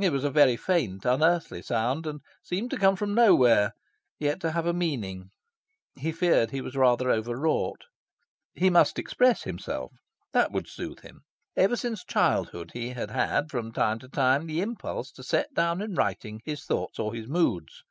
It was a very faint, unearthly sound, and seemed to come from nowhere, yet to have a meaning. He feared he was rather over wrought. He must express himself. That would soothe him. Ever since childhood he had had, from time to time, the impulse to set down in writing his thoughts or his moods.